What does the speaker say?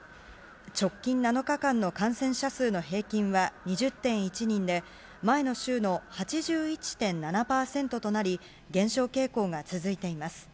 直近７日間の感染者数の平均は２０．１人で前の週の８１．７％となり減少傾向が続いています。